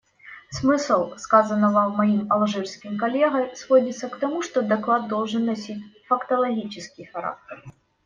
Смысл сказанного моим алжирским коллегой сводится к тому, что доклад должен носить фактологический характер.